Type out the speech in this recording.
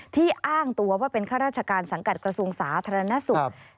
อ้างตัวว่าเป็นข้าราชการสังกัดกระทรวงสาธารณสุข